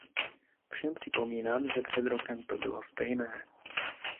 Všem připomínám, že před rokem to bylo stejné.